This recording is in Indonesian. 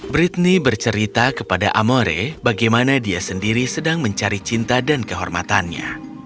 britney bercerita kepada amore bagaimana dia sendiri sedang mencari cinta dan kehormatannya